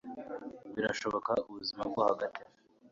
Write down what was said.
birashoboka; ubuzima bwo hagati